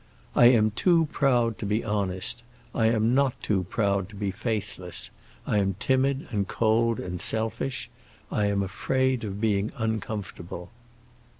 "I am too proud to be honest, I am not too proud to be faithless. I am timid and cold and selfish. I am afraid of being uncomfortable."